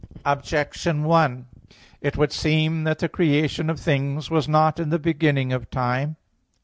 Objection 1: It would seem that the creation of things was not in the beginning of time.